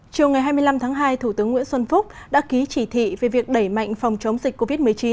chiều ngày hai mươi năm tháng hai thủ tướng nguyễn xuân phúc đã ký chỉ thị về việc đẩy mạnh phòng chống dịch covid một mươi chín